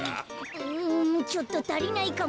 うんちょっとたりないかも。